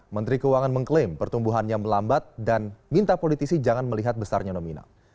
menteri keuangan mengklaim pertumbuhannya melambat dan minta politisi jangan melihat besarnya nominal